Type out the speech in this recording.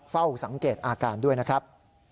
เฝ้าสังเกตอาการด้วยนะครับ